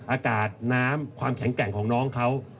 อากาศน้ำความแข็งแกร่งของน้องเขา